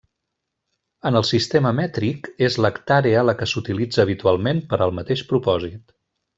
En el sistema mètric, és l'hectàrea la que s'utilitza habitualment per al mateix propòsit.